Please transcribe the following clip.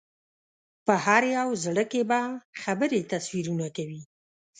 په هر یو زړه کې به خبرې تصویرونه کوي